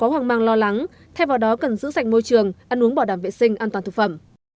nên có hoàng mang lo lắng theo vào đó cần giữ sạch môi trường ăn uống bảo đảm vệ sinh an toàn thực phẩm